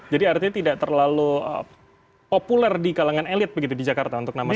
jadi artinya tidak terlalu populer di kalangan elit begitu di jakarta untuk nama seorang mahfud